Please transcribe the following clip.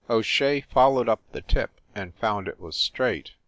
O Shea followed up the tip, and found it was straight.